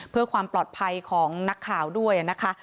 เพื่อความปลอดภัยของนักข่าวด้วยนะคะ